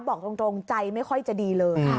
บอกตรงใจไม่ค่อยจะดีเลย